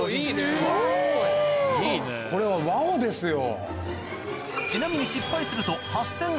これはワオ！ですよ。